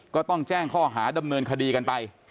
ก็ต้องแจ้งข้อหาดำเนินคดีกันไป